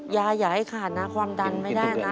อย่าให้ขาดนะความดันไม่ได้นะ